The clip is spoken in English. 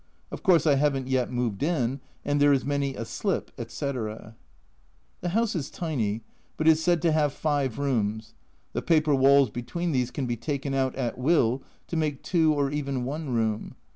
Of course, I haven't yet moved in, and " there is many a slip," etc. The house is tiny, but is said to have five rooms the paper walls between these can be taken out at will to make two, or even one room.